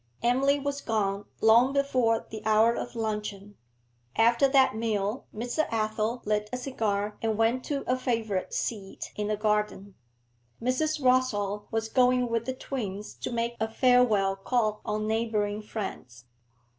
Emily was gone long before the hour of luncheon. After that meal, Mr. Athel lit a cigar and went to a favourite seat in the garden. Mrs. Rossall was going with the twins to make a farewell call on neighbouring friends.